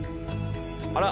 あら？